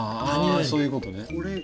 あそういうことね。